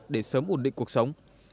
để sớm ổn định cuộc sống